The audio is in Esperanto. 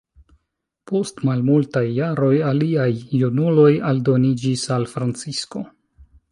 Post malmultaj jaroj, aliaj junuloj aldoniĝis al Francisko.